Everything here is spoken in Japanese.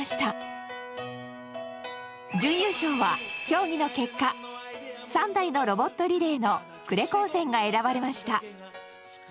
準優勝は協議の結果３台のロボットリレーの呉高専が選ばれました。